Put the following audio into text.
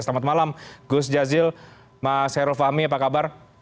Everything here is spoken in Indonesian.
selamat malam gus jazil mas heru fahmi apa kabar